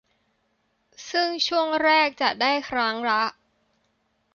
ซึ่งช่วงแรกจะได้ครั้งละ